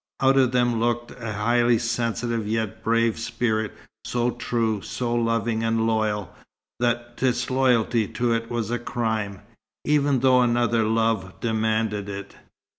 Out of them looked a highly sensitive yet brave spirit, so true, so loving and loyal, that disloyalty to it was a crime even though another love demanded it.